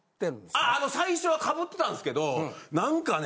あの最初はかぶってたんですけどなんかね